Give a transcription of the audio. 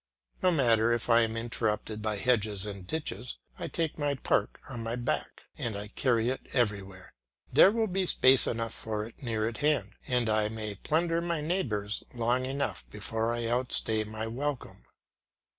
No matter if I am interrupted by hedges and ditches, I take my park on my back, and I carry it elsewhere; there will be space enough for it near at hand, and I may plunder my neighbours long enough before I outstay my welcome.